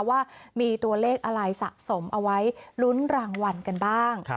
ว่ามีตัวเลขอะไรสะสมเอาไว้ลุ้นรางวัลกันบ้าง